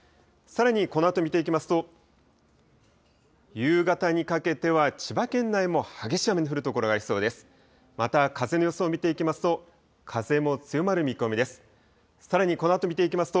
さらにこのあと見ていきますと、夕方にかけては千葉県内も激しい雨の降る所がありそうです。